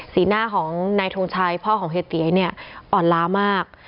สีหน้าของนายทงชัยพ่อของเฮียตี๋อ่อนล้ามาก